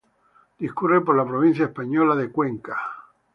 Discurre por la provincia española de Cuenca.